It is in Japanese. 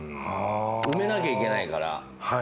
埋めなきゃいけないから。